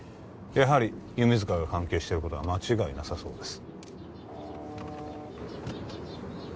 やはり弓塚が関係してることは間違いなさそうです